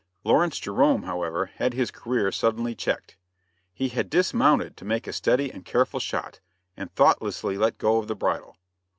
Lawrence Jerome, however, had his career suddenly checked. He had dismounted to make a steady and careful shot, and thoughtlessly let go of the bridle.